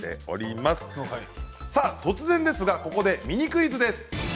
さあ突然ですがここでミニクイズです。